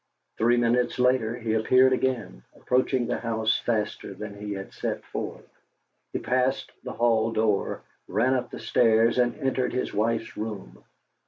Three minutes later he appeared again, approaching the house faster than he had set forth. He passed the hall door, ran up the stairs, and entered his wife's room.